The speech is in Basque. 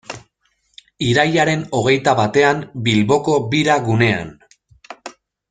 Irailaren hogeita batean, Bilboko Bira gunean.